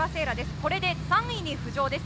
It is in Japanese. これで３位に浮上です。